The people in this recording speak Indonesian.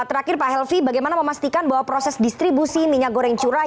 terakhir pak helvi bagaimana memastikan bahwa proses distribusi minyak goreng curah